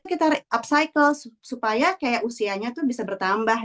kita upcycle supaya kayak usianya tuh bisa bertambah